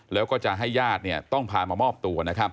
แล้วก็จะให้ญาติต้องพามามอบตัว